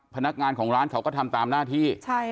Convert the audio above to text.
พนักงานของร้านเขาก็ทำตามหน้าที่